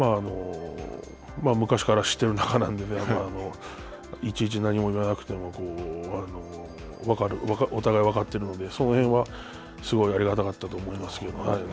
昔から知ってる仲なんで、いちいち何も言わなくても、お互い分かってるので、その辺はすごいありがたかったと思いますけど。